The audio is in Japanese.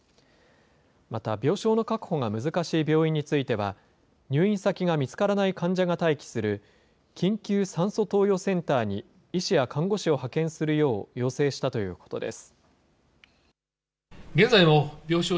また病床の確保が難しい病院については、入院先が見つからない患者が待機する緊急酸素投与センターに、医師や看護師を派遣するよう要請したということです。